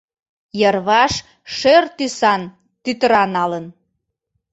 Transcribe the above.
Йырваш шӧр тӱсан тӱтыра налын.